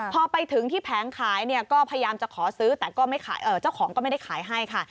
พอไปถึงที่แผงขายเนี่ยก็พยายามจะขอซื้อแต่เจ้าของก็ไม่ได้ขายให้ค่ะ